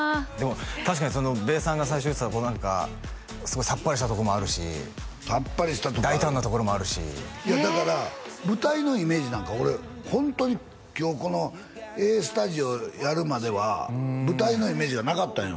確かにべーさんが最初言ってたこう何かすごいさっぱりしたとこもあるしさっぱりしたとこある大胆なところもあるしいやだから舞台のイメージなんか俺ホントに今日この「ＡＳＴＵＤＩＯ＋」やるまでは舞台のイメージがなかったんよ